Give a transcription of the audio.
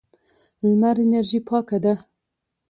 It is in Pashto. لمر انرژي پاکه ده.